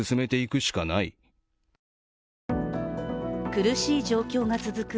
苦しい状況が続く